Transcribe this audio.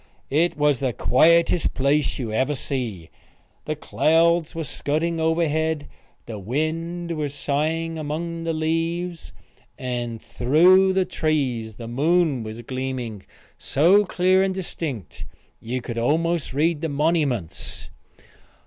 It was the quietest place you ever see. The clouds was scudding overhead; the wind was sighing among the leaves; and through the trees the moon was gleaming so clear and distinct you could almost read the monnyments.